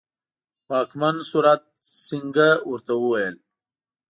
واکمن سورت سینګه ورته وویل.